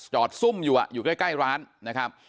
ซุ่มอยู่อยู่ใกล้ร้านนะครับ